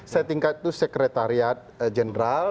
setingkat itu sekretariat jenderal